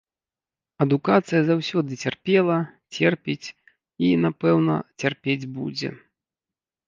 Адукацыя заўсёды цярпела, церпіць і, напэўна, цярпець будзе.